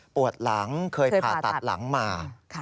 ปวดหลังเคยผ่าตัดหลังมา